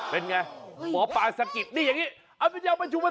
เป็นไงหมอปลาสะกิดนี่อย่างนี้